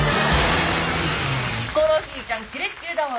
ヒコロヒーちゃんキレッキレだわ。